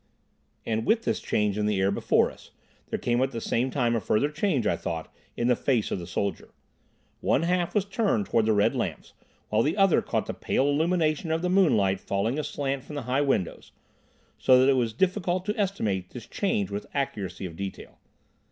And, with this change in the air before us, there came at the same time a further change, I thought, in the face of the soldier. One half was turned towards the red lamps, while the other caught the pale illumination of the moonlight falling aslant from the high windows, so that it was difficult to estimate this change with accuracy of detail.